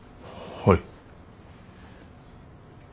はい。